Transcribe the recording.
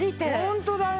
ホントだね。